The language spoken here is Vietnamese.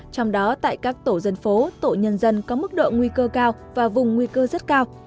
trong đó tại các tổ dân phố tổ nhân dân có mức độ nguy cơ cao và vùng nguy cơ rất cao